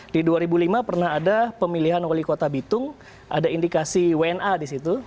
di dua ribu lima pernah ada pemilihan wali kota bitung ada indikasi wna di situ